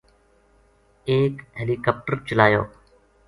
ایک ہیلی کاپٹر چلایو